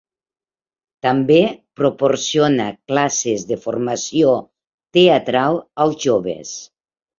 També proporciona classes de formació teatral als joves.